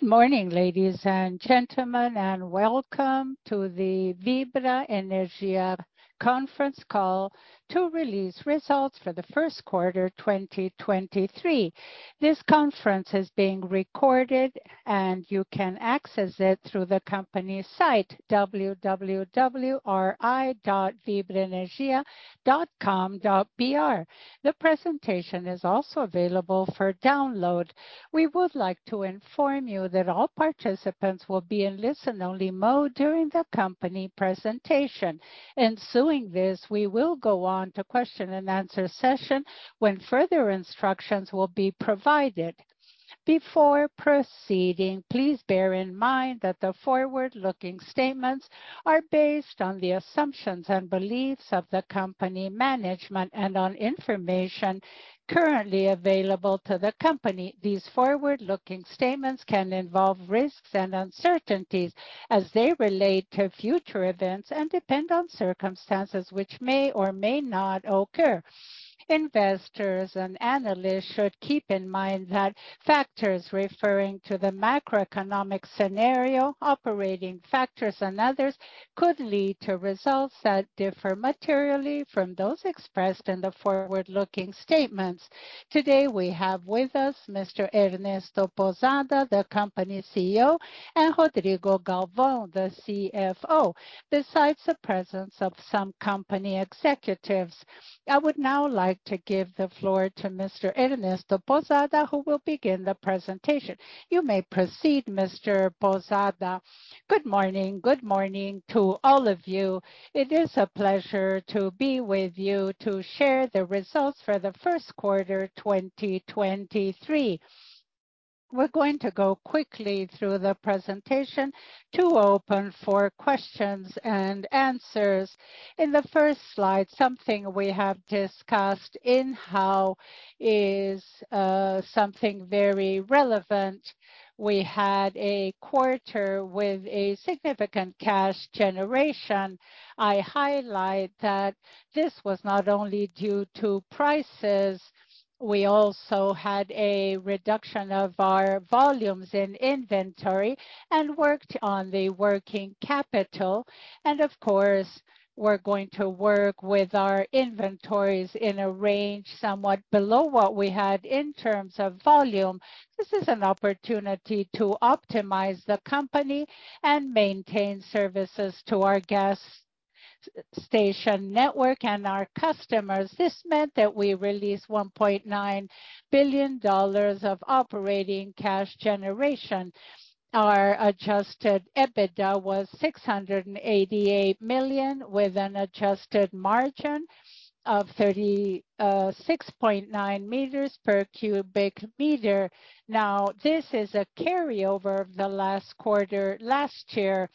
Good morning, ladies and gentlemen, and welcome to the Vibra Energia conference call to release results for the Q1 2023. This conference is being recorded, and you can access it through the company site, www.ri.vibraenergia.com.br. The presentation is also available for download. We would like to inform you that all participants will be in listen only mode during the company presentation. Ensuing this, we will go on to question and answer session when further instructions will be provided. Before proceeding, please bear in mind that the forward-looking statements are based on the assumptions and beliefs of the company management and on information currently available to the company. These forward-looking statements can involve risks and uncertainties as they relate to future events and depend on circumstances which may or may not occur. Investors and analysts should keep in mind that factors referring to the macroeconomic scenario, operating factors, and others could lead to results that differ materially from those expressed in the forward-looking statements. Today, we have with us Mr. Ernesto Pousada, the company CEO, and Rodrigo Galvao, the CFO, besides the presence of some company executives. I would now like to give the floor to Mr. Ernesto Pousada, who will begin the presentation. You may proceed, Mr. Pousada. Good morning. Good morning to all of you. It is a pleasure to be with you to share the results for the Q1 2023. We're going to go quickly through the presentation to open for questions and answers. In the first slide, something we have discussed in how is something very relevant. We had a quarter with a significant cash generation. I highlight that this was not only due to prices, we also had a reduction of our volumes in inventory and worked on the working capital. Of course, we're going to work with our inventories in a range somewhat below what we had in terms of volume. This is an opportunity to optimize the company and maintain services to our gas station network and our customers. This meant that we released BRL 1.9 billion of operating cash generation. Our adjusted EBITDA was 688 million, with an adjusted margin of 36.9 meters per cubic meter. This is a carryover of the last quarter. Last year,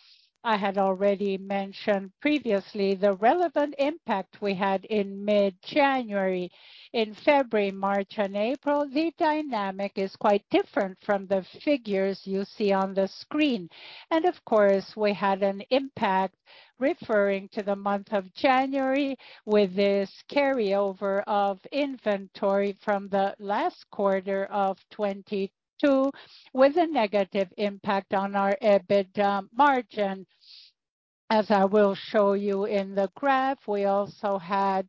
I had already mentioned previously the relevant impact we had in mid-January. In February, March, and April, the dynamic is quite different from the figures you see on the screen. Of course, we had an impact referring to the month of January with this carryover of inventory from the last quarter of 22, with a negative impact on our EBITDA margin. As I will show you in the graph, we also had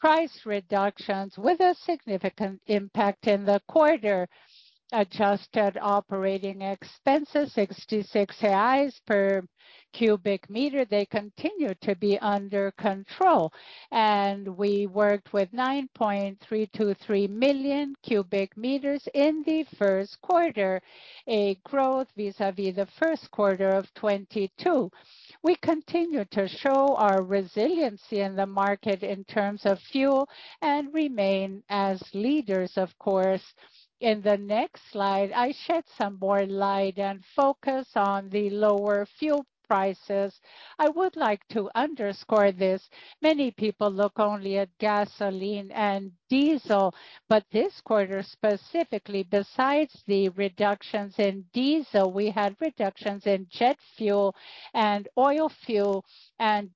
price reductions with a significant impact in the quarter. Adjusted operating expenses, 66 reais per cubic meter. They continue to be under control. We worked with 9.323 million cubic meters in the Q1, a growth vis-à-vis the Q1 of 22. We continue to show our resiliency in the market in terms of fuel and remain as leaders, of course. In the next slide, I shed some more light and focus on the lower fuel prices. I would like to underscore this. Many people look only at gasoline and diesel. This quarter specifically, besides the reductions in diesel, we had reductions in jet fuel and fuel oil.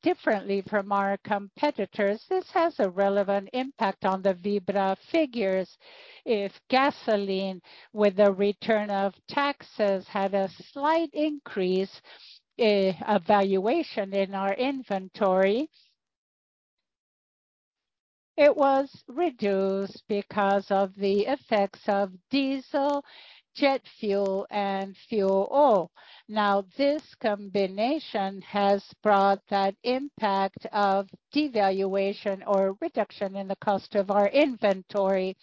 Differently from our competitors, this has a relevant impact on the Vibra figures. If gasoline, with the return of taxes, had a slight increase, evaluation in our inventory, it was reduced because of the effects of diesel, jet fuel, and fuel oil. Now, this combination has brought that impact of devaluation or reduction in the cost of our inventory.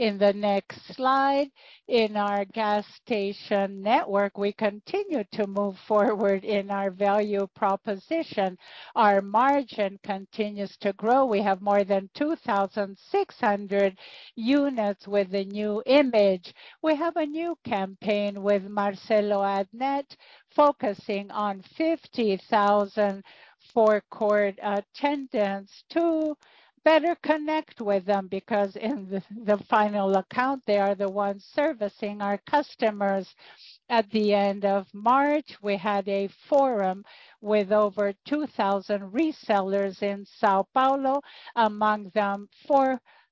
In the next slide, in our gas station network, we continue to move forward in our value proposition. Our margin continues to grow. We have more than 2,600 units with a new image. We have a new campaign with Marcelo Adnet focusing on 50,000 forecourt attendants to better connect with them, because in the final account, they are the ones servicing our customers. At the end of March, we had a forum with over 2,000 resellers in São Paulo, among them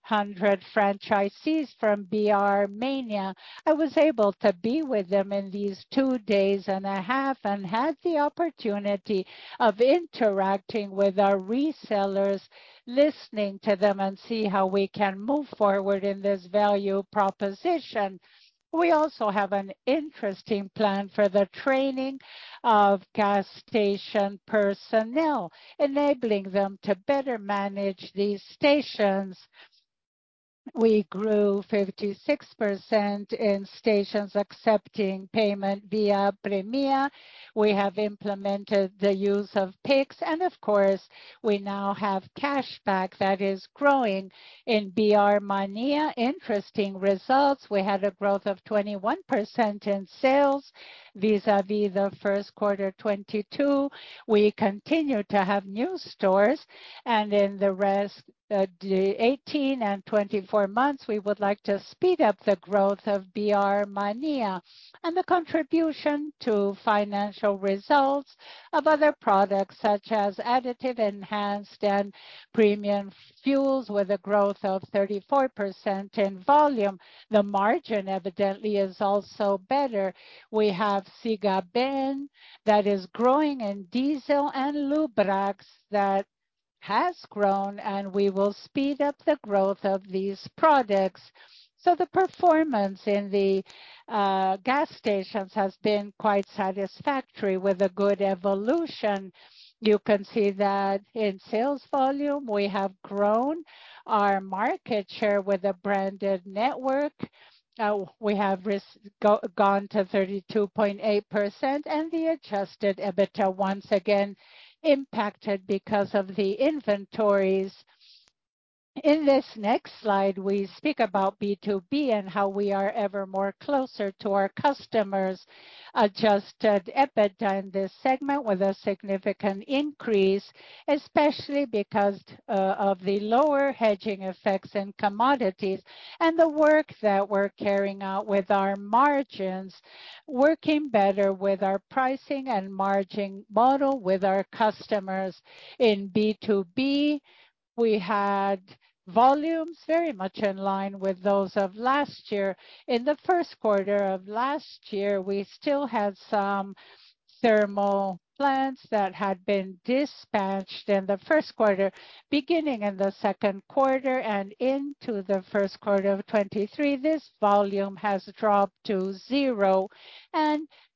400 franchisees from BR Mania. I was able to be with them in these two days and a half, and had the opportunity of interacting with our resellers, listening to them, and see how we can move forward in this value proposition. We also have an interesting plan for the training of gas station personnel, enabling them to better manage these stations. We grew 56% in stations accepting payment via Premmia. We have implemented the use of Pix. Of course, we now have cashback that is growing. In BR Mania, interesting results. We had a growth of 21% in sales vis-à-vis the Q1 2022. We continue to have new stores, and in the 18 and 24 months, we would like to speed up the growth of BR Mania. The contribution to financial results of other products such as additive enhanced and premium fuels with a growth of 34% in volume. The margin evidently is also better. We have Siga Bem that is growing in diesel and Lubrax that has grown, and we will speed up the growth of these products. The performance in the gas stations has been quite satisfactory with a good evolution. You can see that in sales volume, we have grown our market share with a branded network. We have gone to 32.8%, and the adjusted EBITDA once again impacted because of the inventories. In this next slide, we speak about B2B and how we are ever more closer to our customers. Adjusted EBITDA in this segment with a significant increase, especially because of the lower hedging effects in commodities and the work that we're carrying out with our margins, working better with our pricing and margin model with our customers. In B2B, we had volumes very much in line with those of last year. In the Q1 of last year, we still had some thermal plants that had been dispatched in the Q1. Beginning in the second quarter and into the Q1 of 23, this volume has dropped to 0.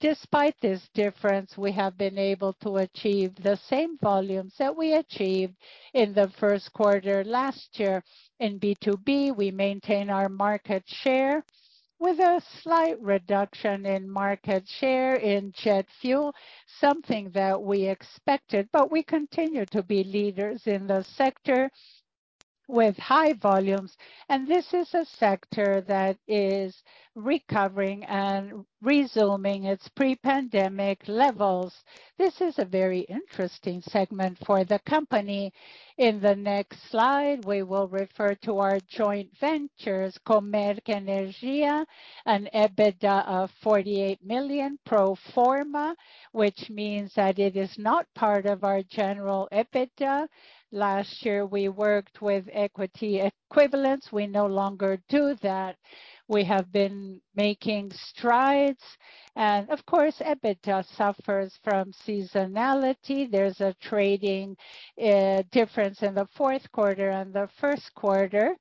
Despite this difference, we have been able to achieve the same volumes that we achieved in the Q1 last year. In B2B, we maintain our market share with a slight reduction in market share in jet fuel, something that we expected. We continue to be leaders in the sector with high volumes. This is a sector that is recovering and resuming its pre-pandemic levels. This is a very interesting segment for the company. In the next slide, we will refer to our joint ventures, Comerc Energia, an EBITDA of 48 million pro forma, which means that it is not part of our general EBITDA. Last year, we worked with equity equivalents. We no longer do that. We have been making strides. Of course, EBITDA suffers from seasonality. There's a trading difference in the Q4 and the Q1.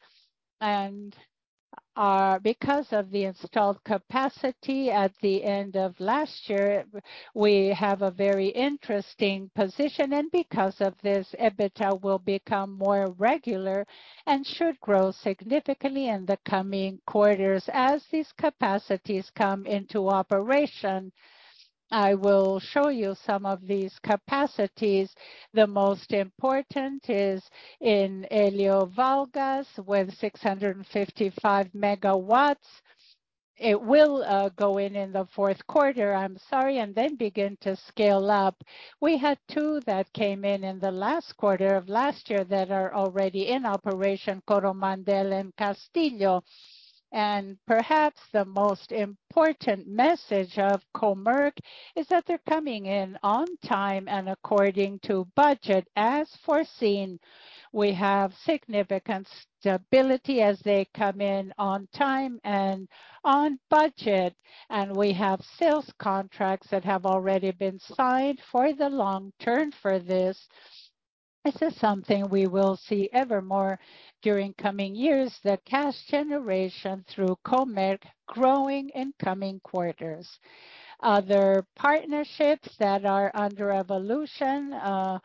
Because of the installed capacity at the end of last year, we have a very interesting position. Because of this, EBITDA will become more regular and should grow significantly in the coming quarters as these capacities come into operation. I will show you some of these capacities. The most important is in Hélio Valgas with 655 MG. It will go in in the Q4, I'm sorry, and then begin to scale up. We had two that came in in the last quarter of last year that are already in operation, Coromandel and Castilho. Perhaps the most important message of Comerc is that they're coming in on time and according to budget as foreseen. We have significant stability as they come in on time and on budget, and we have sales contracts that have already been signed for the long term for this. This is something we will see ever more during coming years, the cash generation through Comerc growing in coming quarters. Other partnerships that are under evolution at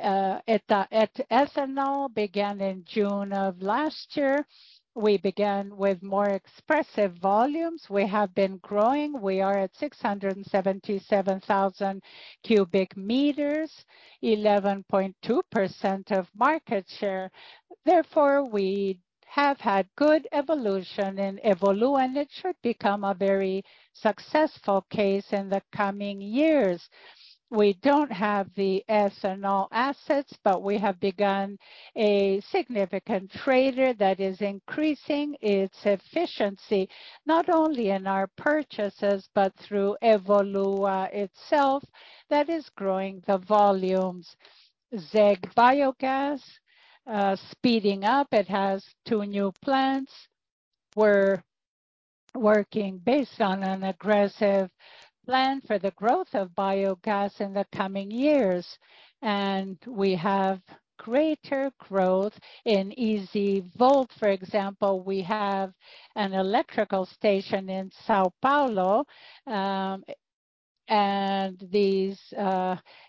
ethanol began in June of last year. We began with more expressive volumes. We have been growing. We are at 677,000 cubic meters, 11.2% of market share. Therefore, we have had good evolution in Evolua, and it should become a very successful case in the coming years. We don't have the ethanol assets, but we have begun a significant trader that is increasing its efficiency, not only in our purchases, but through Evolua itself that is growing the volumes. ZEG Biogás speeding up. It has two new plants. We're working based on an aggressive plan for the growth of biogas in the coming years, and we have greater growth in EzVolt. For example, we have an electrical station in São Paulo. These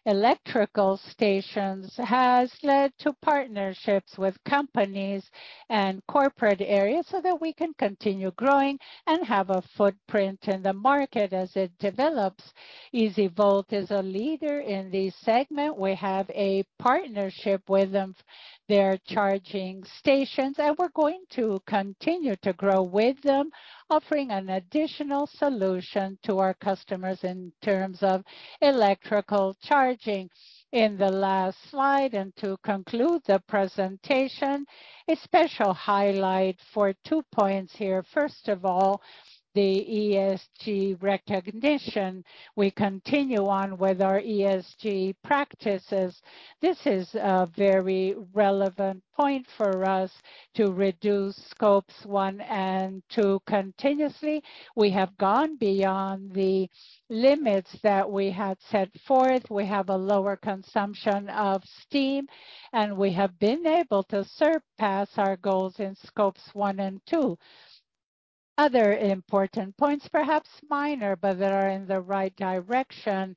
electrical stations has led to partnerships with companies and corporate areas so that we can continue growing and have a footprint in the market as it develops. EzVolt is a leader in this segment. We have a partnership with them, their charging stations, and we're going to continue to grow with them, offering an additional solution to our customers in terms of electrical charging. In the last slide, and to conclude the presentation, a special highlight for two points here. First of all, the ESG recognition. We continue on with our ESG practices. This is a very relevant point for us to reduce scopes one and two continuously. We have gone beyond the limits that we had set forth. We have a lower consumption of steam, and we have been able to surpass our goals in scopes one and two. Other important points, perhaps minor, but they are in the right direction.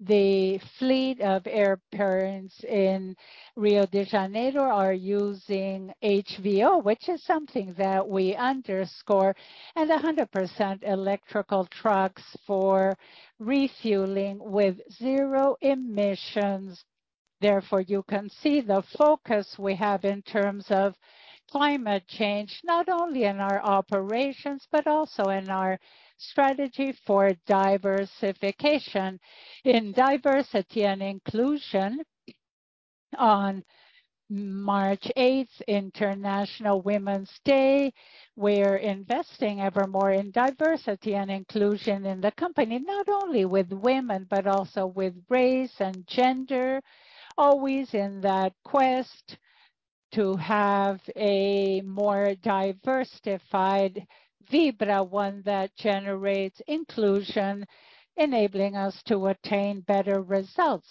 The fleet of BR Aviation in Rio de Janeiro are using HVO, which is something that we underscore, and 100% electrical trucks for refueling with zero emissions. Therefore, you can see the focus we have in terms of climate change, not only in our operations, but also in our strategy for diversification. In diversity and inclusion, on March 8, International Women's Day, we're investing evermore in diversity and inclusion in the company, not only with women, but also with race and gender. Always in that quest to have a more diversified Vibra, one that generates inclusion, enabling us to attain better results.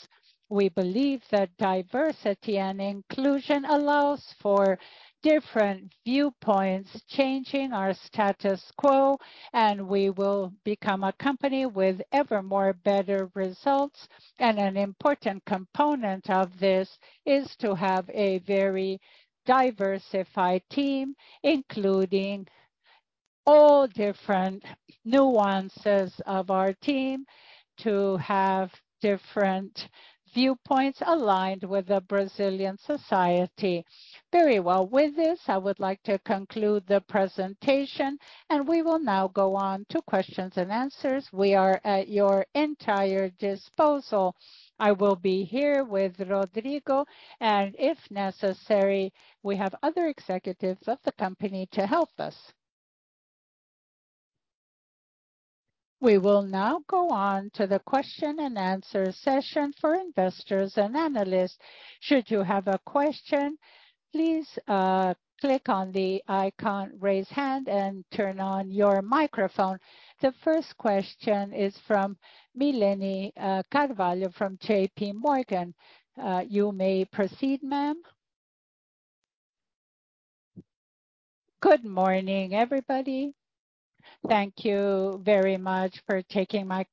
We believe that diversity and inclusion allows for different viewpoints, changing our status quo, and we will become a company with evermore better results. An important component of this is to have a very diversified team, including all different nuances of our team to have different viewpoints aligned with the Brazilian society. Very well. With this, I would like to conclude the presentation, and we will now go on to questions and answers. We are at your entire disposal. I will be here with Rodrigo, and if necessary, we have other executives of the company to help us. We will now go on to the question and answer session for investors and analysts. Should you have a question, please click on the icon Raise Hand and turn on your microphone. The first question is from Milene Carvalho from JPMorgan. You may proceed, ma'am. Good morning, everybody. Thank you very much for taking my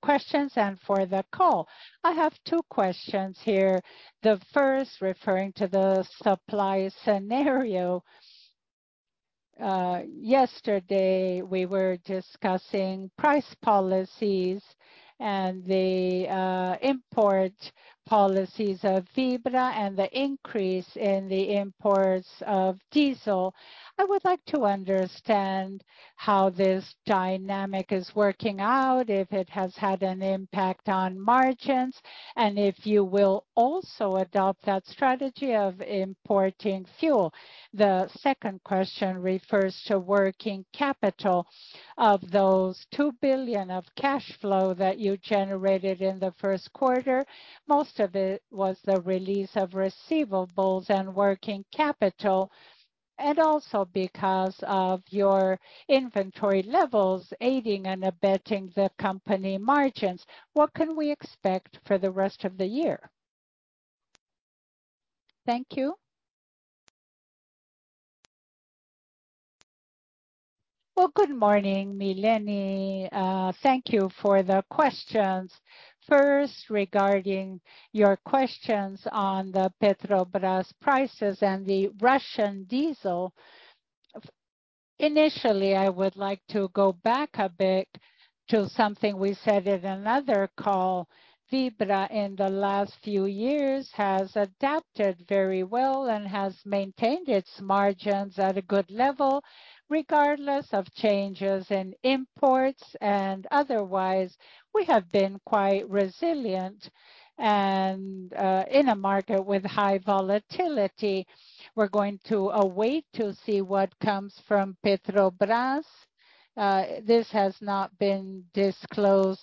questions and for the call. I have two questions here. The first referring to the supply scenario. Yesterday we were discussing price policies and the import policies of Vibra and the increase in the imports of diesel. I would like to understand how this dynamic is working out, if it has had an impact on margins, and if you will also adopt that strategy of importing fuel. The second question refers to working capital. Of those 2 billion of cash flow that you generated in the Q1, most of it was the release of receivables and working capital, and also because of your inventory levels aiding and abetting the company margins. What can we expect for the rest of the year? Thank you. Well, good morning, Milene. Thank you for the questions. First, regarding your questions on the Petrobras prices and the Russian diesel. Initially, I would like to go back a bit to something we said in another call. Vibra in the last few years has adapted very well and has maintained its margins at a good level, regardless of changes in imports and otherwise. We have been quite resilient and in a market with high volatility. We're going to await to see what comes from Petrobras. This has not been disclosed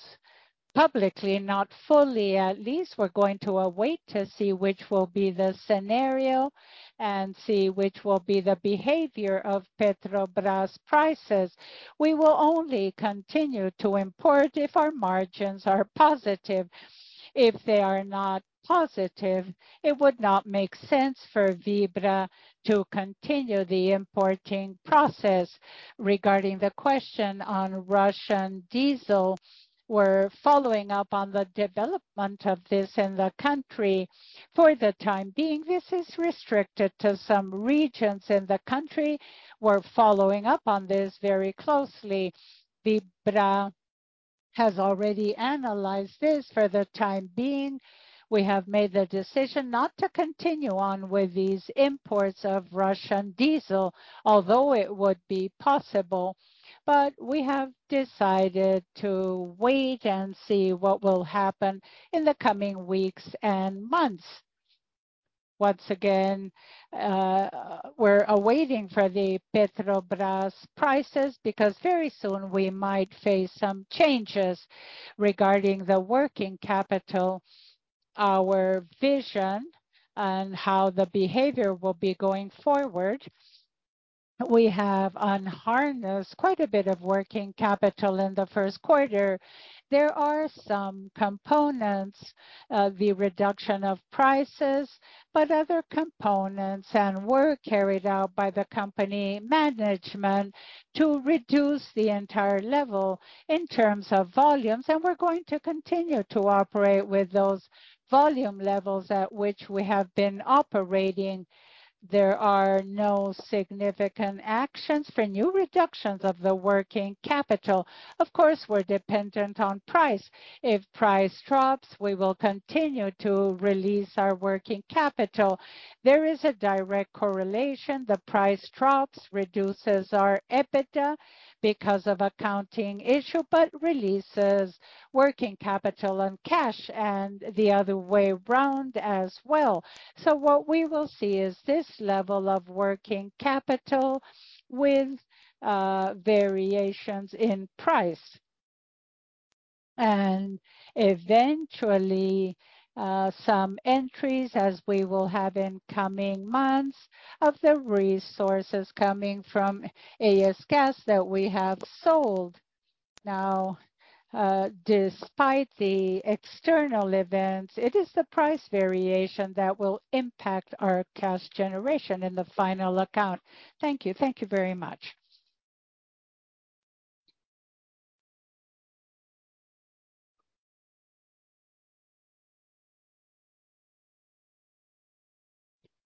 publicly, not fully. At least we're going to await to see which will be the scenario and see which will be the behavior of Petrobras prices. We will only continue to import if our margins are positive. If they are not positive, it would not make sense for Vibra to continue the importing process. Regarding the question on Russian diesel, we're following up on the development of this in the country. For the time being, this is restricted to some regions in the country. We're following up on this very closely. Vibra has already analyzed this. For the time being, we have made the decision not to continue on with these imports of Russian diesel, although it would be possible. We have decided to wait and see what will happen in the coming weeks and months. Once again, we're awaiting for the Petrobras prices because very soon we might face some changes regarding the working capital, our vision and how the behavior will be going forward. We have unharnessed quite a bit of working capital in the Q1. There are some components of the reduction of prices, but other components and work carried out by the company management to reduce the entire level in terms of volumes. We're going to continue to operate with those volume levels at which we have been operating. There are no significant actions for new reductions of the working capital. Of course, we're dependent on price. If price drops, we will continue to release our working capital. There is a direct correlation. The price drops reduces our EBITDA because of accounting issue, but releases working capital and cash, and the other way around as well. What we will see is this level of working capital with variations in price. Eventually, some entries as we will have in coming months of the resources coming from ES Gás that we have sold. Now, despite the external events, it is the price variation that will impact our cash generation in the final account. Thank you. Thank you very much.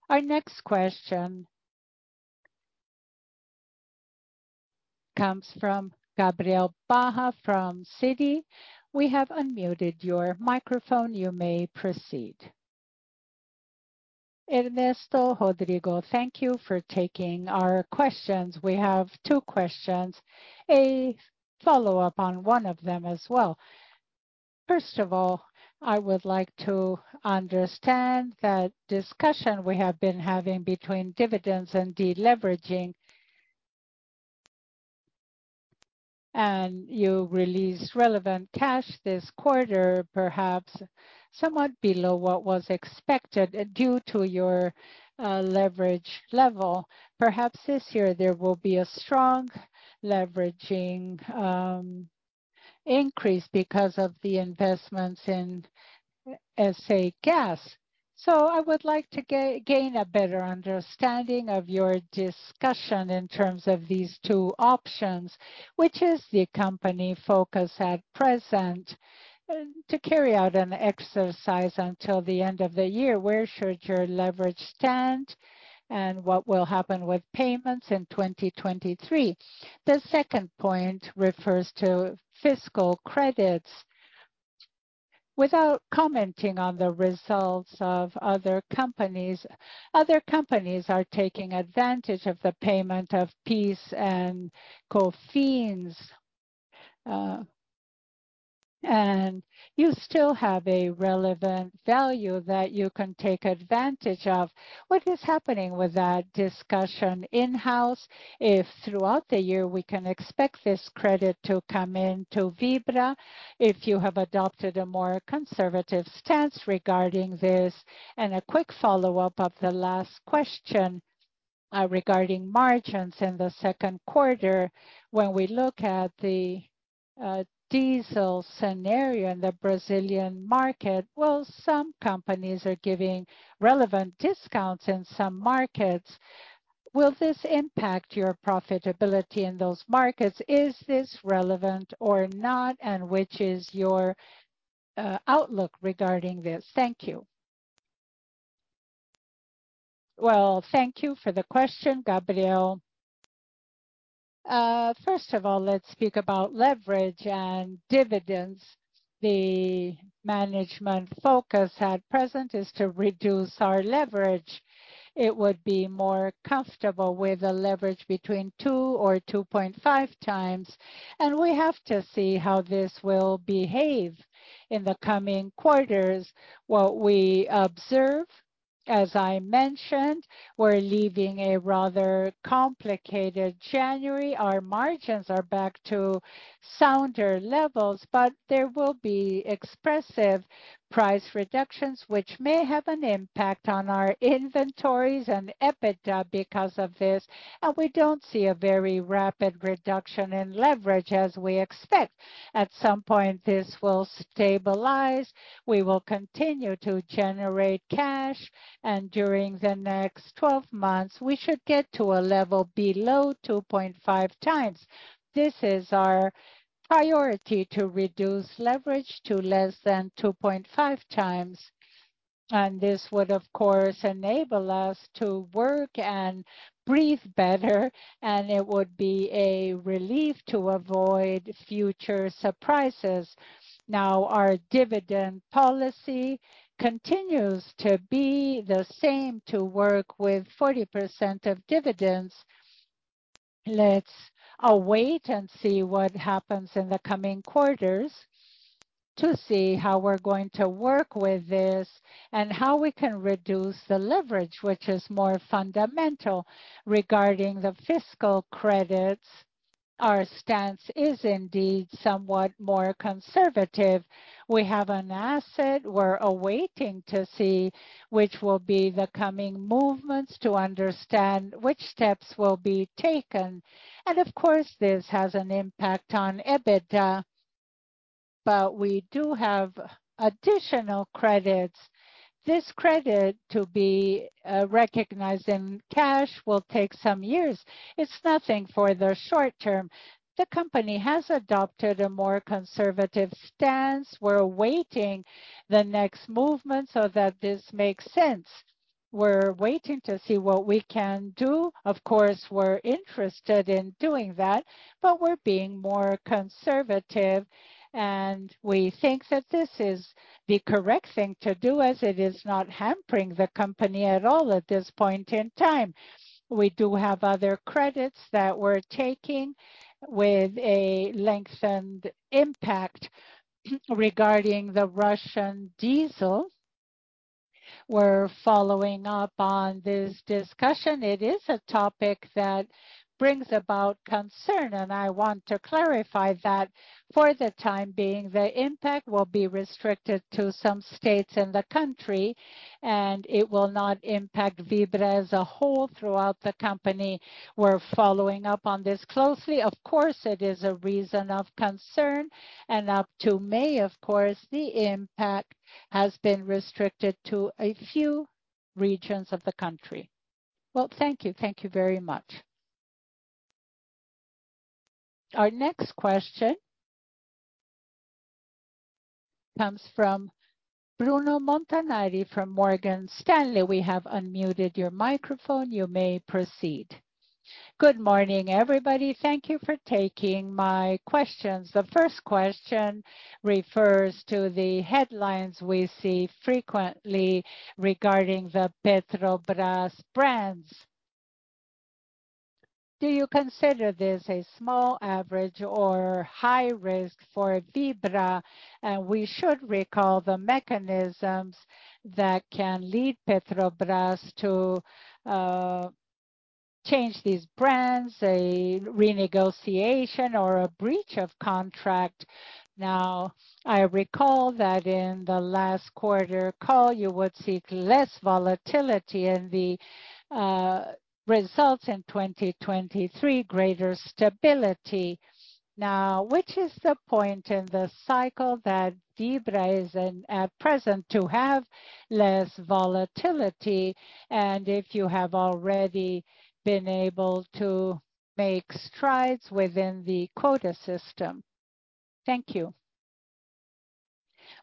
Our next question comes from Gabriel Barra from Citi. We have unmuted your microphone. You may proceed. Ernesto, Rodrigo, thank you for taking our questions. We have two questions, a follow-up on one of them as well. First of all, I would like to understand the discussion we have been having between dividends and deleveraging. You released relevant cash this quarter, perhaps somewhat below what was expected due to your leverage level. Perhaps this year there will be a strong leveraging increase because of the investments in ES Gás. I would like to gain a better understanding of your discussion in terms of these two options, which is the company focus at present to carry out an exercise until the end of the year. Where should your leverage stand, and what will happen with payments in 2023? The second point refers to fiscal credits. Without commenting on the results of other companies, other companies are taking advantage of the payment of PIS and COFINS, and you still have a relevant value that you can take advantage of. What is happening with that discussion in-house if throughout the year we can expect this credit to come in to Vibra? If you have adopted a more conservative stance regarding this. A quick follow-up of the last question, regarding margins in the second quarter. When we look at the diesel scenario in the Brazilian market, well, some companies are giving relevant discounts in some markets. Will this impact your profitability in those markets? Is this relevant or not? Which is your outlook regarding this? Thank you. Well, thank you for the question, Gabriel. First of all, let's speak about leverage and dividends. The management focus at present is to reduce our leverage. It would be more comfortable with a leverage between 2x or 2.5x, and we have to see how this will behave in the coming quarters. What we observe. As I mentioned, we're leaving a rather complicated January. Our margins are back to sounder levels, but there will be expressive price reductions which may have an impact on our inventories and EBITDA because of this. We don't see a very rapid reduction in leverage as we expect. At some point, this will stabilize. We will continue to generate cash, and during the next 12 months, we should get to a level below 2.5x. This is our priority, to reduce leverage to less than 2.5x. This would, of course, enable us to work and breathe better, and it would be a relief to avoid future surprises. Our dividend policy continues to be the same to work with 40% of dividends. Let's await and see what happens in the coming quarters to see how we're going to work with this and how we can reduce the leverage, which is more fundamental. Regarding the fiscal credits, our stance is indeed somewhat more conservative. We have an asset. We're awaiting to see which will be the coming movements to understand which steps will be taken. Of course, this has an impact on EBITDA, but we do have additional credits. This credit to be recognized in cash will take some years. It's nothing for the short term. The company has adopted a more conservative stance. We're awaiting the next movement so that this makes sense. We're waiting to see what we can do. Of course, we're interested in doing that, but we're being more conservative, and we think that this is the correct thing to do, as it is not hampering the company at all at this point in time. We do have other credits that we're taking with a lengthened impact. Regarding the Russian diesel, we're following up on this discussion. It is a topic that brings about concern, and I want to clarify that for the time being, the impact will be restricted to some states in the country, and it will not impact Vibra as a whole throughout the company. We're following up on this closely. Of course, it is a reason of concern. Up to May, of course, the impact has been restricted to a few regions of the country. Well, thank you. Thank you very much. Our next question comes from Bruno Montanari from Morgan Stanley. We have unmuted your microphone. You may proceed. Good morning, everybody. Thank you for taking my questions. The first question refers to the headlines we see frequently regarding the Petrobras brands. Do you consider this a small, average or high risk for Vibra? We should recall the mechanisms that can lead Petrobras to change these brands, a renegotiation or a breach of contract. I recall that in the last quarter call, you would seek less volatility in the results in 2023, greater stability. Which is the point in the cycle that Vibra is in at present to have less volatility, and if you have already been able to make strides within the quota system. Thank you.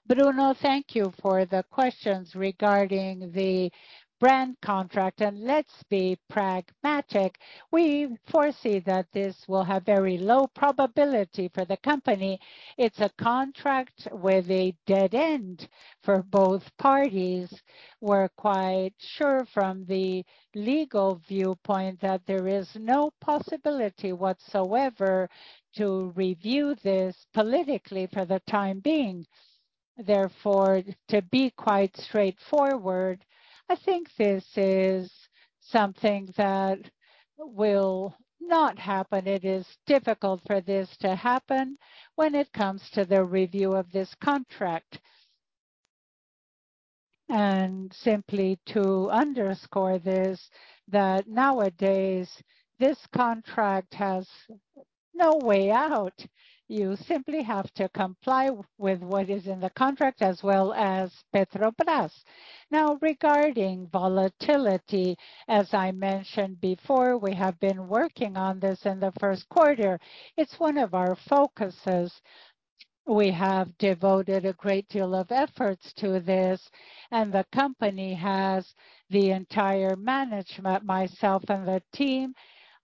Bruno, thank you for the questions regarding the brand contract. Let's be pragmatic. We foresee that this will have very low probability for the company. It's a contract with a dead end for both parties. We're quite sure from the legal viewpoint that there is no possibility whatsoever to review this politically for the time being. To be quite straightforward, I think this is something that will not happen. It is difficult for this to happen when it comes to the review of this contract. Simply to underscore this, that nowadays this contract has no way out. You simply have to comply with what is in the contract as well as Petrobras. Regarding volatility, as I mentioned before, we have been working on this in the Q1. It's one of our focuses. We have devoted a great deal of efforts to this, the company has the entire management. Myself and the team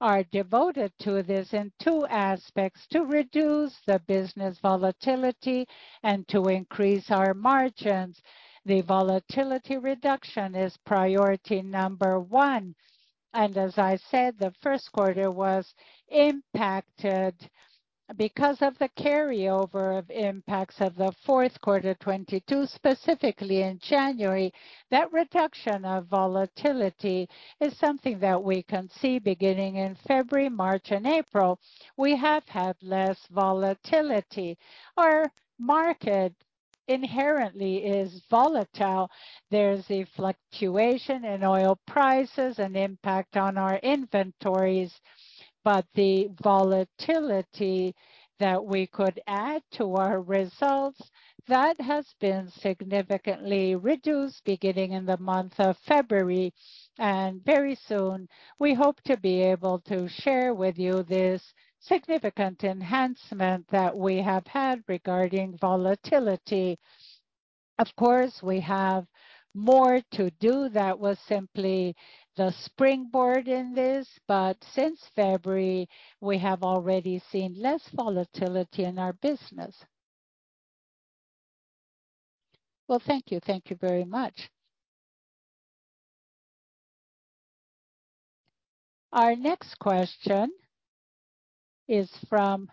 are devoted to this in two aspects: to reduce the business volatility and to increase our margins. The volatility reduction is priority number one. As I said, the Q1 was impacted because of the carryover of impacts of the Q4 22, specifically in January. That reduction of volatility is something that we can see beginning in February, March, and April. We have had less volatility. Our market inherently is volatile. There's a fluctuation in oil prices and impact on our inventories. The volatility that we could add to our results, that has been significantly reduced beginning in the month of February. Very soon, we hope to be able to share with you this significant enhancement that we have had regarding volatility. Of course, we have more to do. That was simply the springboard in this. Since February, we have already seen less volatility in our business. Well, thank you. Thank you very much. Our next question is from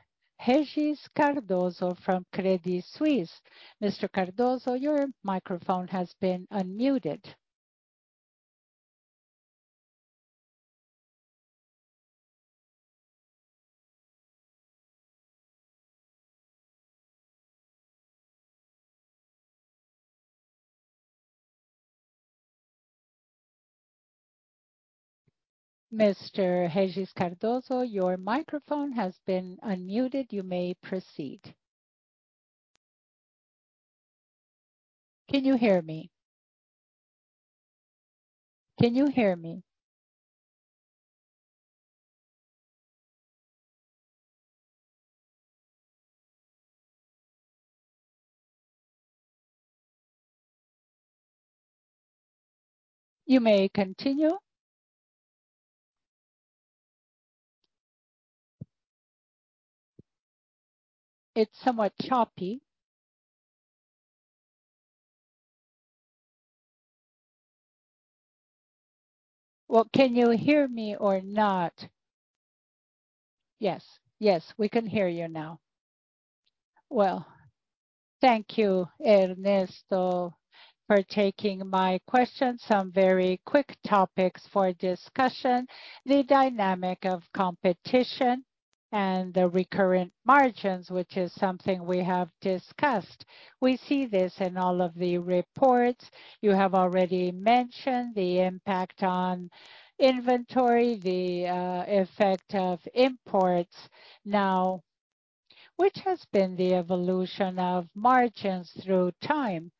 Regis Cardoso from Credit Suisse. Mr. Cardoso, your microphone has been unmuted. Mr. Régis Cardoso, your microphone has been unmuted. You may proceed. Can you hear me? You may continue. It's somewhat choppy. Well, can you hear me or not? Yes. Yes, we can hear you now. Well, thank you, Ernesto, for taking my question. Some very quick topics for discussion: The dynamic of competition and the recurrent margins, which is something we have discussed. We see this in all of the reports. You have already mentioned the impact on inventory, the effect of imports. Which has been the evolution of margins through time?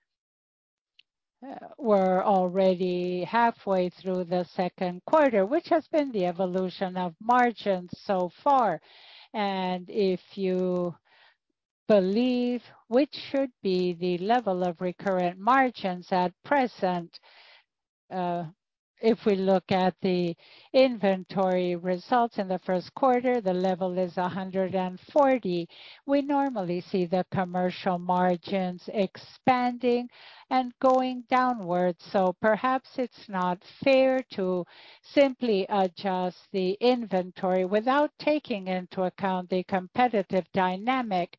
We're already halfway through the second quarter. Which has been the evolution of margins so far? If you believe, which should be the level of recurrent margins at present? If we look at the inventory results in the Q1, the level is 140. We normally see the commercial margins expanding and going downwards. Perhaps it's not fair to simply adjust the inventory without taking into account the competitive dynamic.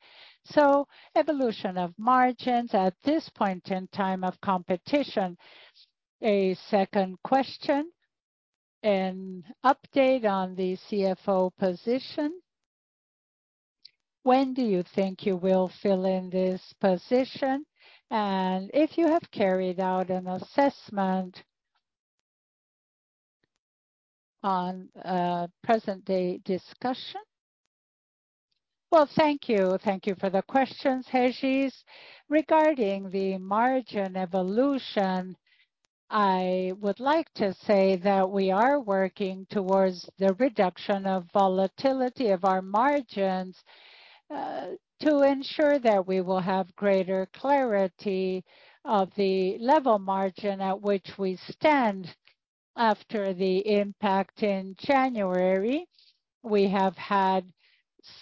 Evolution of margins at this point in time of competition. A second question, an update on the CFO position. When do you think you will fill in this position? If you have carried out an assessment on present day discussion. Thank you. Thank you for the questions, Regis. Regarding the margin evolution, I would like to say that we are working towards the reduction of volatility of our margins to ensure that we will have greater clarity of the level margin at which we stand after the impact in January. We have had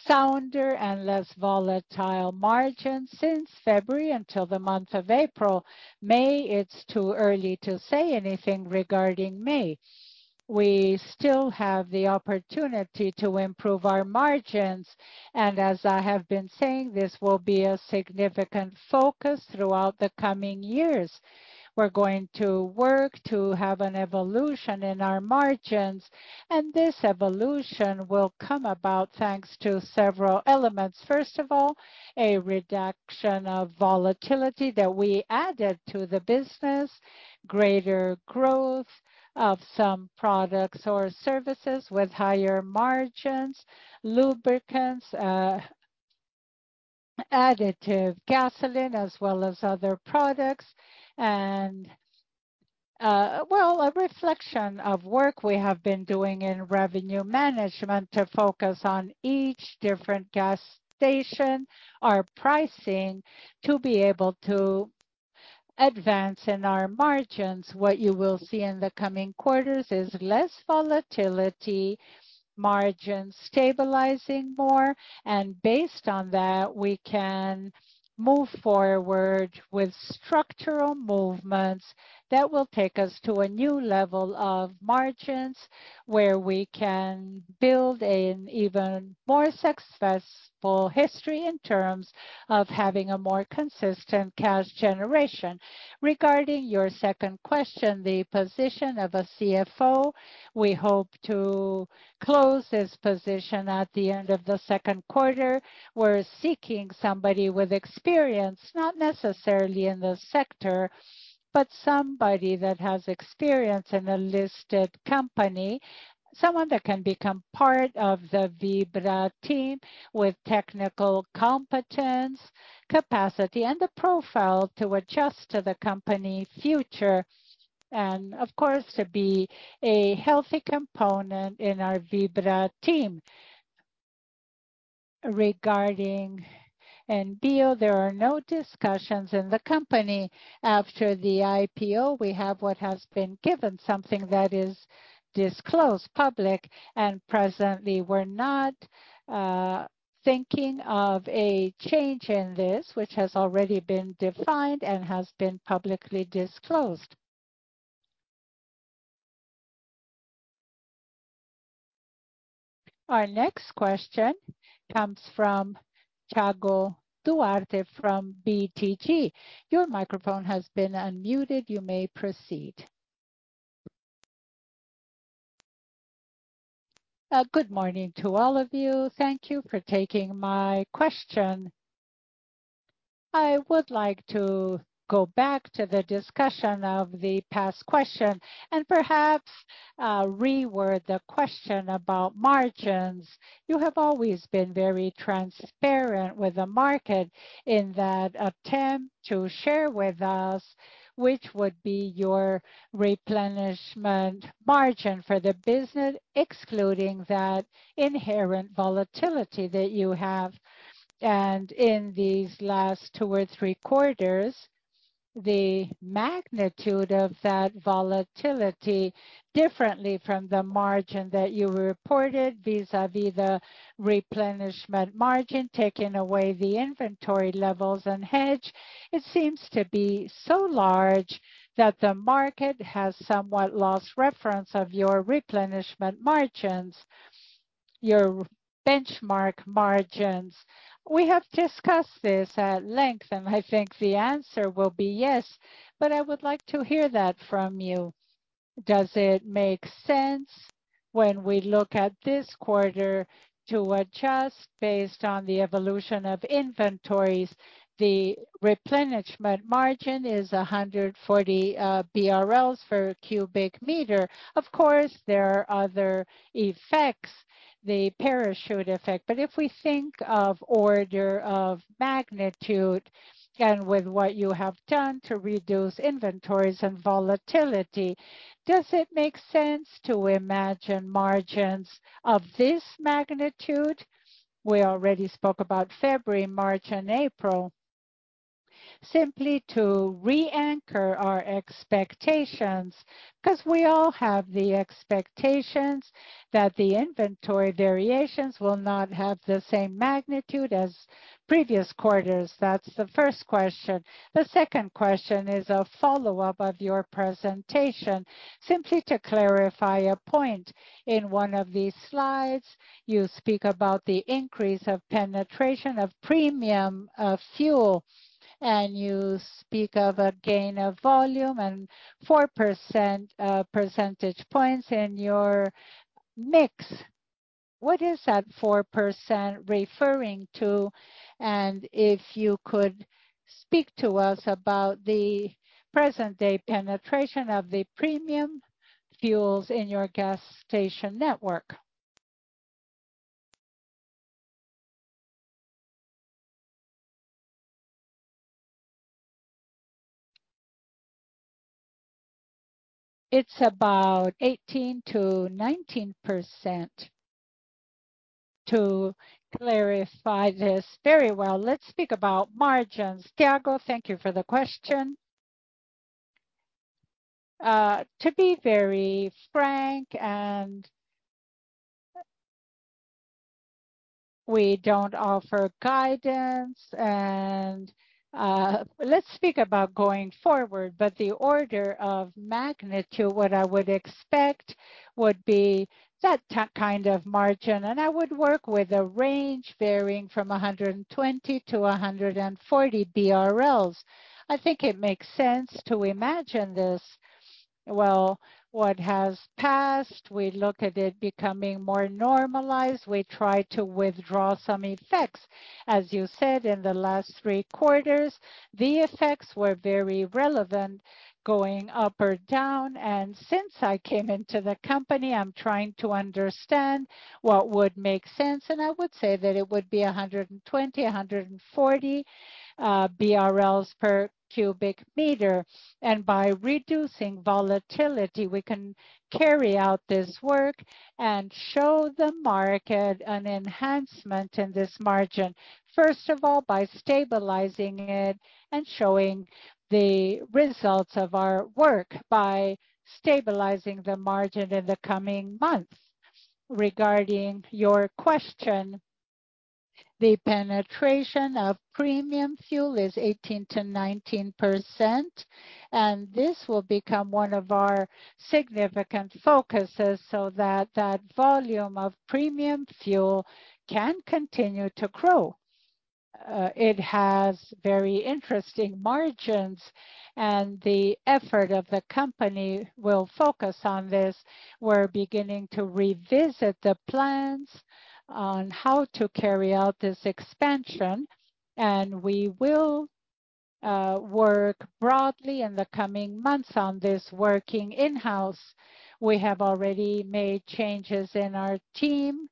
sounder and less volatile margins since February until the month of April. May, it's too early to say anything regarding May. We still have the opportunity to improve our margins. As I have been saying, this will be a significant focus throughout the coming years. We're going to work to have an evolution in our margins. This evolution will come about thanks to several elements. First of all, a reduction of volatility that we added to the business, greater growth of some products or services with higher margins, lubricants, additive gasoline, as well as other products. Well, a reflection of work we have been doing in revenue management to focus on each different gas station, our pricing to be able to advance in our margins. What you will see in the coming quarters is less volatility. Margins stabilizing more. Based on that, we can move forward with structural movements that will take us to a new level of margins, where we can build an even more successful history in terms of having a more consistent cash generation. Regarding your second question, the position of a CFO, we hope to close this position at the end of the second quarter. We're seeking somebody with experience, not necessarily in the sector, but somebody that has experience in a listed company, someone that can become part of the Vibra team with technical competence, capacity, and the profile to adjust to the company future, of course, to be a healthy component in our Vibra team. Regarding MBO, there are no discussions in the company after the IPO. We have what has been given, something that is disclosed public. Presently, we're not thinking of a change in this, which has already been defined and has been publicly disclosed. Our next question comes from Thiago Duarte from BTG. Your microphone has been unmuted. You may proceed. Good morning to all of you. Thank you for taking my question. I would like to go back to the discussion of the past question and perhaps reword the question about margins. You have always been very transparent with the market in that attempt to share with us which would be your replenishment margin for the business, excluding that inherent volatility that you have. In these last two or three quarters, the magnitude of that volatility differently from the margin that you reported vis-a-vis the replenishment margin, taking away the inventory levels and hedge, it seems to be so large that the market has somewhat lost reference of your replenishment margins, your benchmark margins. We have discussed this at length, and I think the answer will be yes, but I would like to hear that from you. Does it make sense when we look at this quarter to adjust based on the evolution of inventories, the replenishment margin is 140 BRLs per cubic meter. Of course, there are other effects, the parachute effect. If we think of order of magnitude and with what you have done to reduce inventories and volatility, does it make sense to imagine margins of this magnitude? We already spoke about February, March and April. Simply to re-anchor our expectations because we all have the expectations that the inventory variations will not have the same magnitude as previous quarters. That's the first question. The second question is a follow-up of your presentation. Simply to clarify a point. In one of these slides, you speak about the increase of penetration of premium fuel, and you speak of a gain of volume and 4 percentage points in your mix. What is that 4% referring to? If you could speak to us about the present day penetration of the premium fuels in your gas station network. It's about 18%-19%. To clarify this very well, let's speak about margins. Thiago, thank you for the question. To be very frank, we don't offer guidance, and let's speak about going forward, but the order of magnitude, what I would expect would be that kind of margin, and I would work with a range varying from 120-140 BRL. I think it makes sense to imagine this. Well, what has passed, we look at it becoming more normalized. We try to withdraw some effects. As you said, in the last three quarters, the effects were very relevant going up or down. Since I came into the company, I'm trying to understand what would make sense, and I would say that it would be 120, 140 BRL per cubic meter. By reducing volatility, we can carry out this work and show the market an enhancement in this margin, first of all, by stabilizing it and showing the results of our work by stabilizing the margin in the coming months. Regarding your question. The penetration of premium fuel is 18%-19%, and this will become one of our significant focuses so that that volume of premium fuel can continue to grow. It has very interesting margins, and the effort of the company will focus on this. We're beginning to revisit the plans on how to carry out this expansion, and we will work broadly in the coming months on this working in-house. We have already made changes in our team.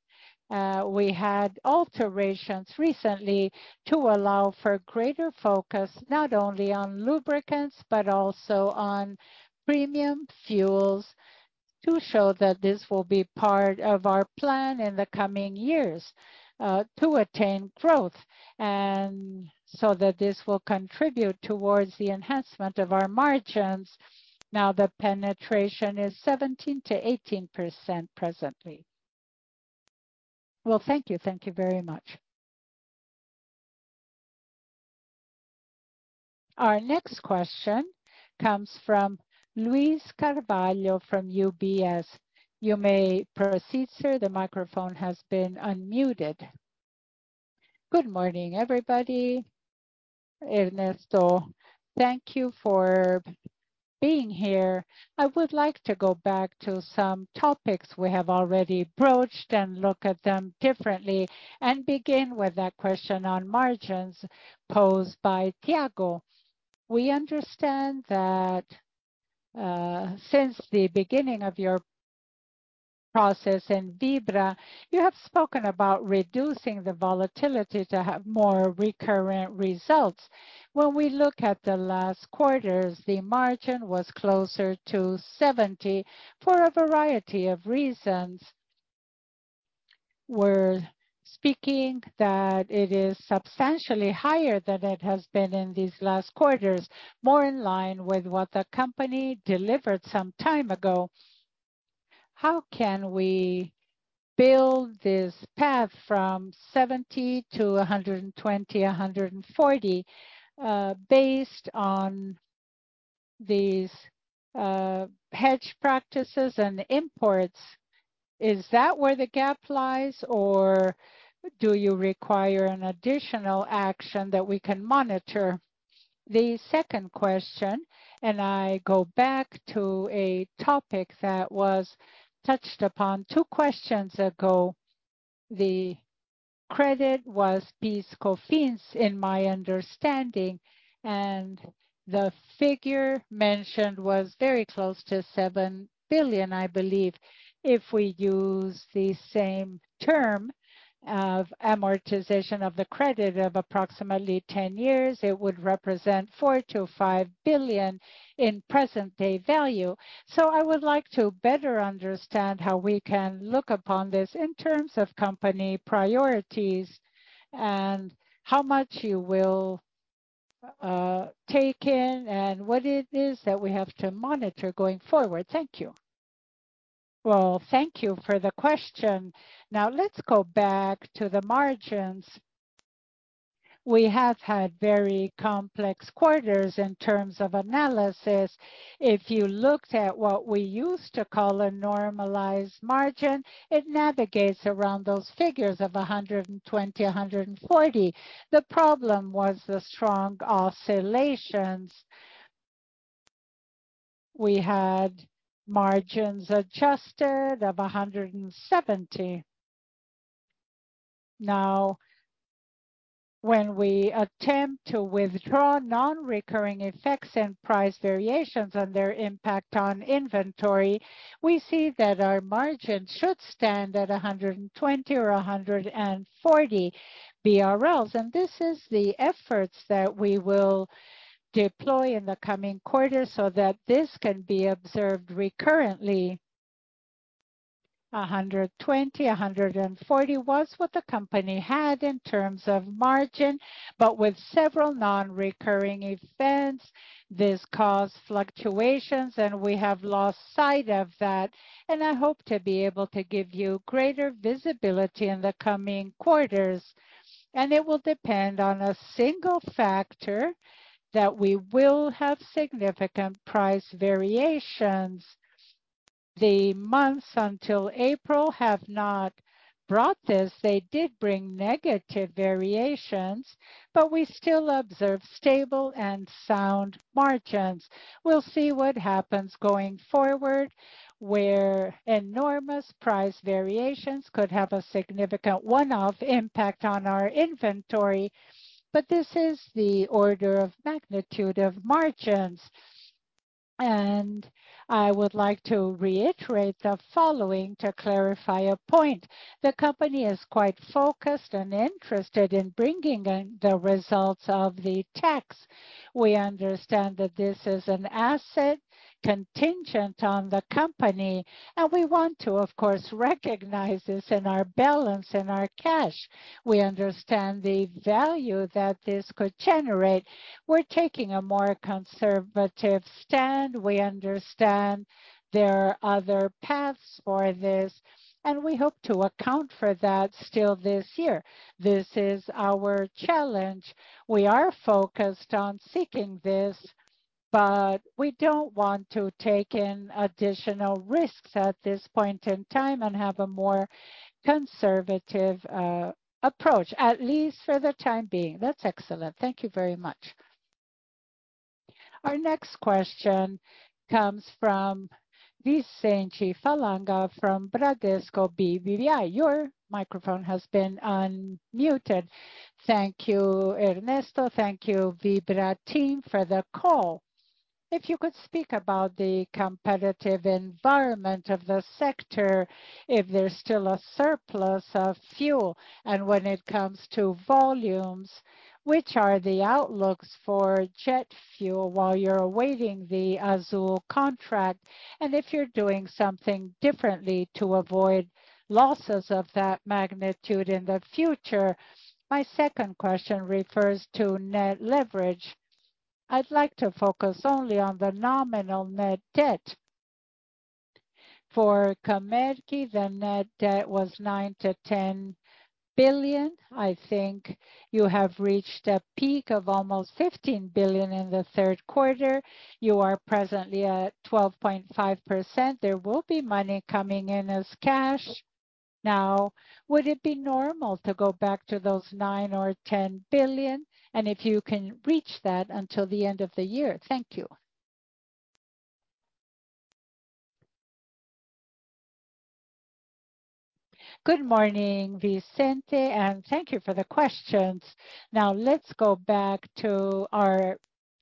We had alterations recently to allow for greater focus not only on lubricants, but also on premium fuels to show that this will be part of our plan in the coming years to attain growth, and so that this will contribute towards the enhancement of our margins. The penetration is 17%-18% presently. Thank you. Thank you very much. Our next question comes from Luiz Carvalho from UBS. You may proceed, sir. The microphone has been unmuted. Good morning, everybody. Ernesto, thank you for being here. I would like to go back to some topics we have already broached and look at them differently and begin with that question on margins posed by Thiago. We understand that since the beginning of your process in Vibra, you have spoken about reducing the volatility to have more recurrent results. When we look at the last quarters, the margin was closer to 70 for a variety of reasons. We're speaking that it is substantially higher than it has been in these last quarters, more in line with what the company delivered some time ago. How can we build this path from 70-120, 140, based on these hedge practices and imports? Is that where the gap lies, or do you require an additional action that we can monitor? The second question. I go back to a topic that was touched upon two questions ago. The credit was PIS/Cofins in my understanding. The figure mentioned was very close to 7 billion, I believe. If we use the same term of amortization of the credit of approximately 10 years, it would represent 4-5 billion in present-day value. I would like to better understand how we can look upon this in terms of company priorities and how much you will take in and what it is that we have to monitor going forward. Thank you. Well, thank you for the question. Let's go back to the margins. We have had very complex quarters in terms of analysis. If you looked at what we used to call a normalized margin, it navigates around those figures of 120, 140. The problem was the strong oscillations. We had margins adjusted of 170. Now, when we attempt to withdraw non-recurring effects and price variations and their impact on inventory, we see that our margins should stand at 120 or 140 BRL. This is the efforts that we will deploy in the coming quarters so that this can be observed recurrently. 120, 140 was what the company had in terms of margin, but with several non-recurring events, this caused fluctuations, and we have lost sight of that. I hope to be able to give you greater visibility in the coming quarters. It will depend on a single factor that we will have significant price variations. The months until April have not brought this. They did bring negative variations, we still observe stable and sound margins. We'll see what happens going forward, where enormous price variations could have a significant one-off impact on our inventory. This is the order of magnitude of margins. I would like to reiterate the following to clarify a point. The company is quite focused and interested in bringing in the results of the tax. We understand that this is an asset contingent on the company, and we want to, of course, recognize this in our balance, in our cash. We understand the value that this could generate. We're taking a more conservative stand. We understand there are other paths for this, and we hope to account for that still this year. This is our challenge. We are focused on seeking this. We don't want to take in additional risks at this point in time and have a more conservative approach, at least for the time being. That's excellent. Thank you very much. Our next question comes from Vicente Falanga from Bradesco BBI. Your microphone has been unmuted. Thank you, Ernesto. Thank you Vibra team for the call. If you could speak about the competitive environment of the sector, if there's still a surplus of fuel, and when it comes to volumes, which are the outlooks for jet fuel while you're awaiting the Azul contract, and if you're doing something differently to avoid losses of that magnitude in the future? My second question refers to net leverage. I'd like to focus only on the nominal net debt. For Comerc, the net debt was 9-10 billion. I think you have reached a peak of almost 15 billion in the Q3. You are presently at 12.5%. There will be money coming in as cash. Would it be normal to go back to those 9 billion or 10 billion? If you can reach that until the end of the year. Thank you. Good morning, Vicente, thank you for the questions. Let's go back to our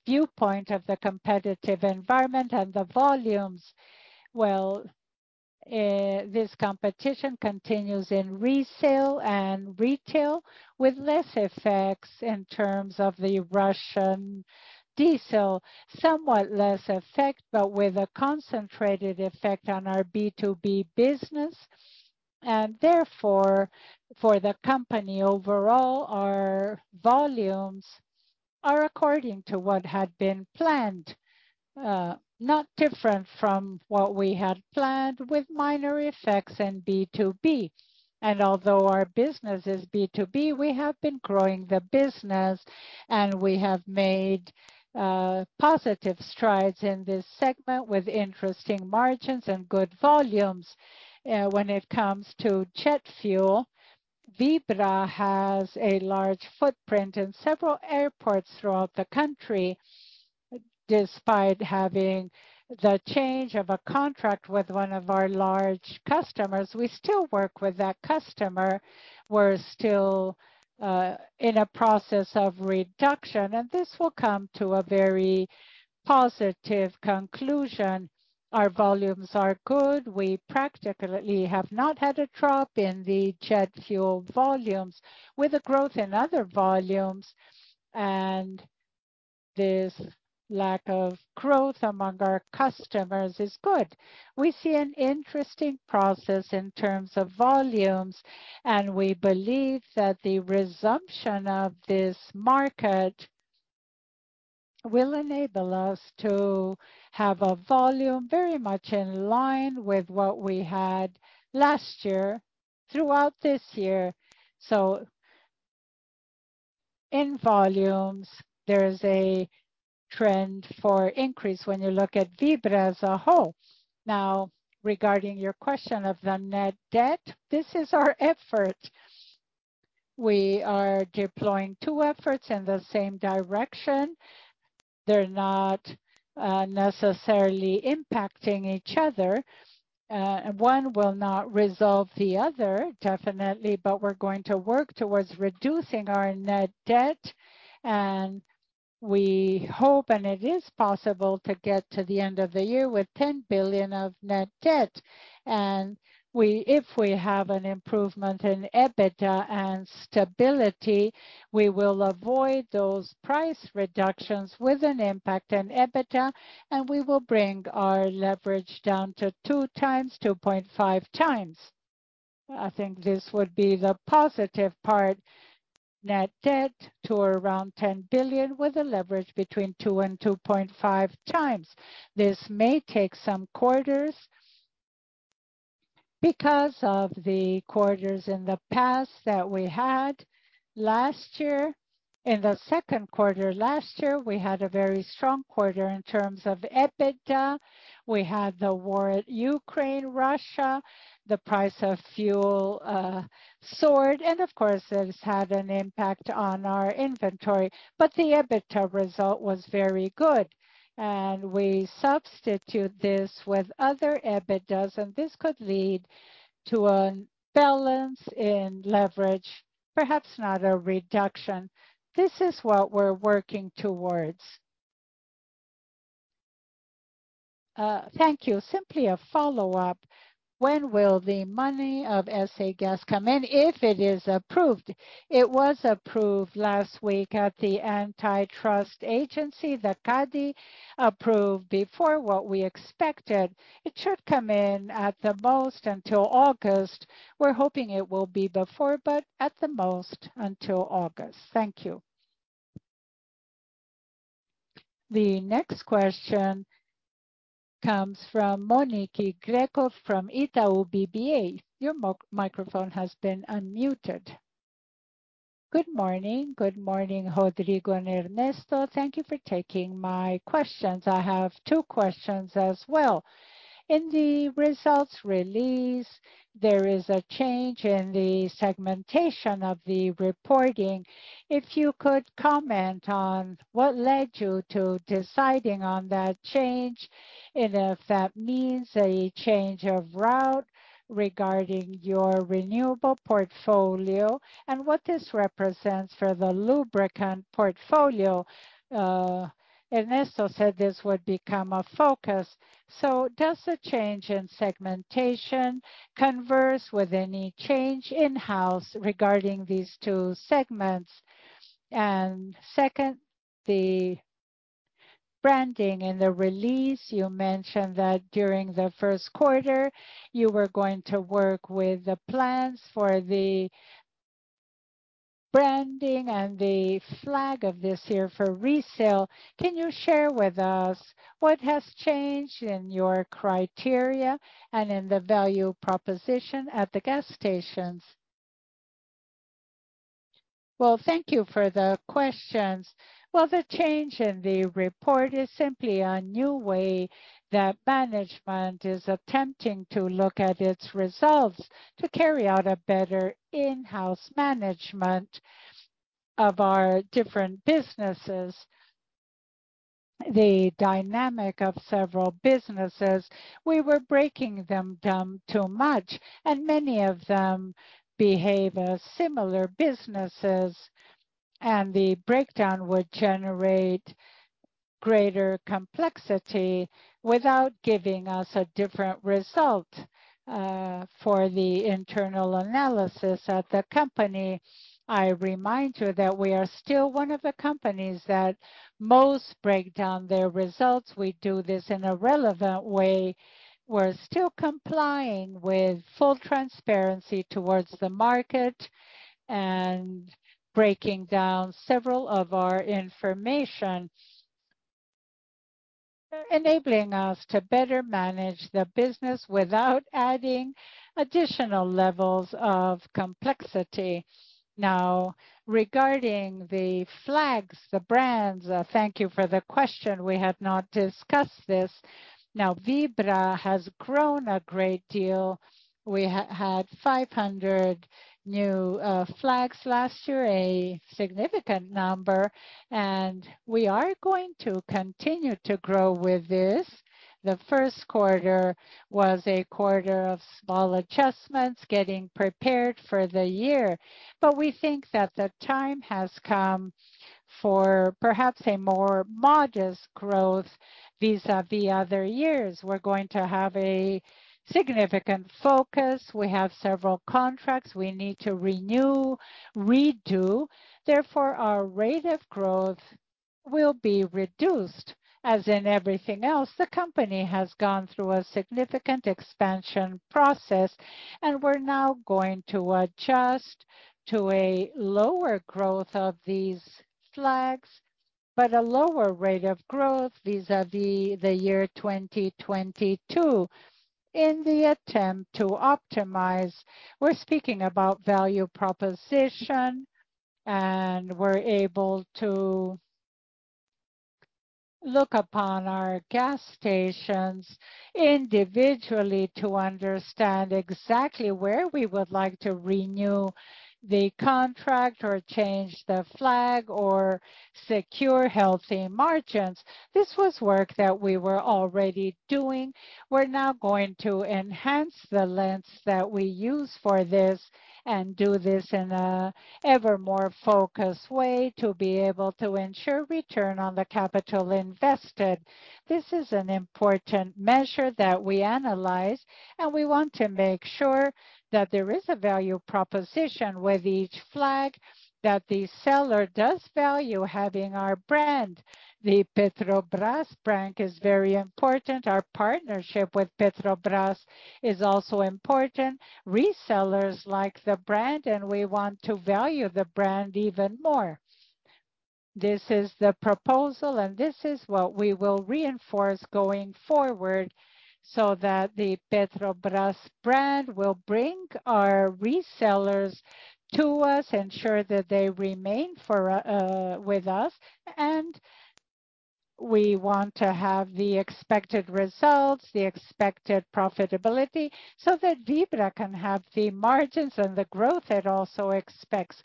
viewpoint of the competitive environment and the volumes. Well, this competition continues in resale and retail with less effects in terms of the Russian diesel. Somewhat less effect, with a concentrated effect on our B2B business. Therefore, for the company overall, our volumes are according to what had been planned, not different from what we had planned with minor effects in B2B. Although our business is B2B, we have been growing the business, and we have made positive strides in this segment with interesting margins and good volumes. When it comes to jet fuel, Vibra has a large footprint in several airports throughout the country. Despite having the change of a contract with one of our large customers, we still work with that customer. We're still in a process of reduction, and this will come to a very positive conclusion. Our volumes are good. We practically have not had a drop in the jet fuel volumes with a growth in other volumes, and this lack of growth among our customers is good. We see an interesting process in terms of volumes. We believe that the resumption of this market will enable us to have a volume very much in line with what we had last year throughout this year. In volumes, there is a trend for increase when you look at Vibra as a whole. Regarding your question of the net debt, this is our effort. We are deploying two efforts in the same direction. They're not necessarily impacting each other. One will not resolve the other, definitely, but we're going to work towards reducing our net debt. We hope, and it is possible to get to the end of the year with 10 billion of net debt. If we have an improvement in EBITDA and stability, we will avoid those price reductions with an impact on EBITDA, and we will bring our leverage down to 2x-2.5 x. I think this would be the positive part. Net debt to around 10 billion with a leverage between 2x and 2.5x. This may take some quarters because of the quarters in the past that we had. Last year, in the second quarter last year, we had a very strong quarter in terms of EBITDA. We had the war at Ukraine, Russia, the price of fuel soared, of course, this had an impact on our inventory. The EBITDA result was very good. We substitute this with other EBITDAs, this could lead to a balance in leverage, perhaps not a reduction. This is what we're working towards. Thank you. Simply a follow-up. When will the money of ES Gás come in, if it is approved? It was approved last week at the antitrust agency. The CADE approved before what we expected. It should come in at the most until August. We're hoping it will be before, but at the most until August. Thank you. The next question comes from Monique Greco from Itaú BBA. Your microphone has been unmuted. Good morning. Good morning, Rodrigo and Ernesto. Thank you for taking my questions. I have two questions as well. In the results release, there is a change in the segmentation of the reporting. If you could comment on what led you to deciding on that change, if that means a change of route regarding your renewable portfolio, what this represents for the lubricant portfolio. Ernesto said this would become a focus. Does the change in segmentation converse with any change in-house regarding these two segments? Second, the branding. In the release, you mentioned that during the Q1, you were going to work with the plans for the branding and the flag of this year for resale. Can you share with us what has changed in your criteria and in the value proposition at the gas stations? Thank you for the questions. The change in the report is simply a new way that management is attempting to look at its results to carry out a better in-house management of our different businesses. The dynamic of several businesses, we were breaking them down too much, and many of them behave as similar businesses, and the breakdown would generate greater complexity without giving us a different result for the internal analysis at the company. I remind you that we are still one of the companies that most break down their results. We do this in a relevant way. We're still complying with full transparency towards the market and breaking down several of our information, enabling us to better manage the business without adding additional levels of complexity. Regarding the flags, the brands, thank you for the question. We had not discussed this. Vibra has grown a great deal. We had 500 new flags last year, a significant number, and we are going to continue to grow with this. The Q1 was a quarter of small adjustments, getting prepared for the year. We think that the time has come for perhaps a more modest growth vis-a-vis other years. We're going to have a significant focus. We have several contracts we need to renew, redo. Therefore, our rate of growth will be reduced. As in everything else, the company has gone through a significant expansion process, and we're now going to adjust to a lower growth of these flags, but a lower rate of growth vis-a-vis the year 2022. In the attempt to optimize, we're speaking about value proposition, and we're able to look upon our gas stations individually to understand exactly where we would like to renew the contract or change the flag or secure healthy margins. This was work that we were already doing. We're now going to enhance the lengths that we use for this and do this in an ever more focused way to be able to ensure return on the capital invested. This is an important measure that we analyze. We want to make sure that there is a value proposition with each flag that the seller does value having our brand. The Petrobras brand is very important. Our partnership with Petrobras is also important. Resellers like the brand. We want to value the brand even more. This is the proposal. This is what we will reinforce going forward so that the Petrobras brand will bring our resellers to us, ensure that they remain for with us. We want to have the expected results, the expected profitability, so that Vibra can have the margins and the growth it also expects.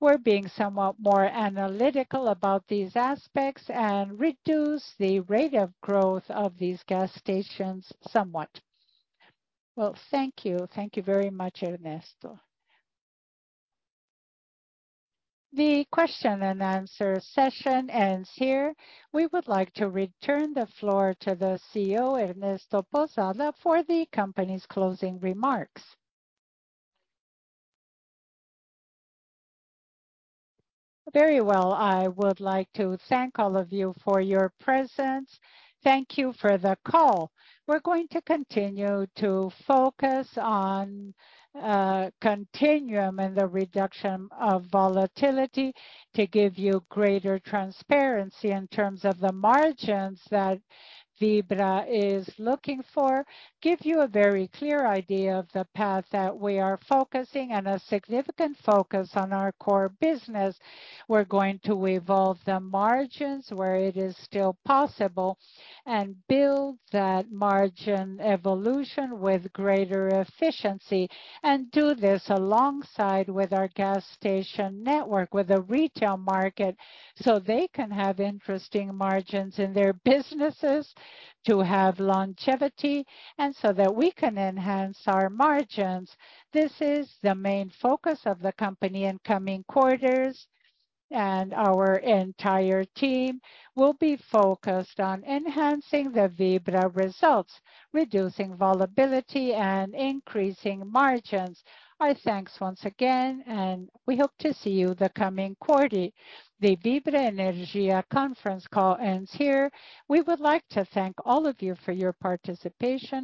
We're being somewhat more analytical about these aspects and reduce the rate of growth of these gas stations somewhat. Well, thank you. Thank you very much, Ernesto.' The question and answer session ends here. We would like to return the floor to the CEO, Ernesto Pousada, for the company's closing remarks. Very well. I would like to thank all of you for your presence. Thank you for the call. We're going to continue to focus on continuum and the reduction of volatility to give you greater transparency in terms of the margins that Vibra is looking for, give you a very clear idea of the path that we are focusing and a significant focus on our core business. We're going to evolve the margins where it is still possible and build that margin evolution with greater efficiency, and do this alongside with our gas station network, with the retail market, so they can have interesting margins in their businesses to have longevity, and so that we can enhance our margins. This is the main focus of the company in coming quarters. Our entire team will be focused on enhancing the Vibra results, reducing volatility and increasing margins. Our thanks once again. We hope to see you the coming quarter. The Vibra Energia conference call ends here. We would like to thank all of you for your participation.